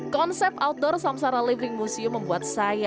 konsep outdoor samsara living museum membuat saya